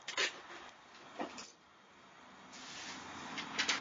Zamrzá na konci září a rozmrzá na začátku června..